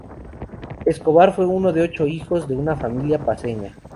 Escobar fue uno de ocho hijos de una familia paceña.